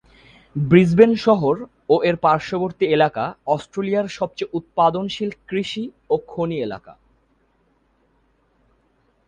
Brisbane শহর ও এর পার্শ্ববর্তী এলাকা অস্ট্রেলিয়ার সবচেয়ে উৎপাদনশীল কৃষি ও খনি এলাকা।